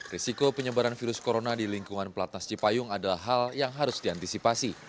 risiko penyebaran virus corona di lingkungan pelatnas cipayung adalah hal yang harus diantisipasi